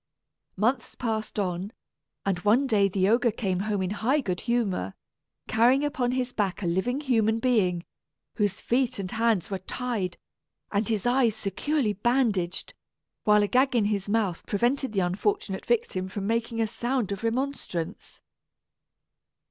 Months passed on, and one day the ogre came home in high good humor, carrying upon his back a living human being, whose feet and hands were tied and his eyes securely bandaged, while a gag in his mouth prevented the unfortunate victim from making a sound of remonstrance.